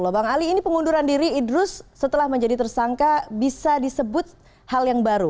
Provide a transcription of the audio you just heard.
bang ali ini pengunduran diri idrus setelah menjadi tersangka bisa disebut hal yang baru